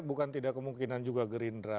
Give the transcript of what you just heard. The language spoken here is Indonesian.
bukan tidak kemungkinan juga gerindra